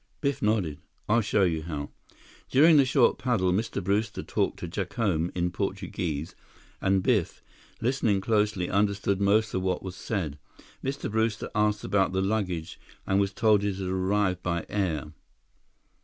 Biff nodded. "I'll show you how." During the short paddle, Mr. Brewster talked to Jacome in Portuguese and Biff, listening closely, understood most of what was said. Mr. Brewster asked about the luggage and was told that it had arrived by air.